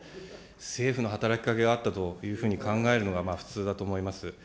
政府の働きかけがあったというふうに考えるのが普通だと思います。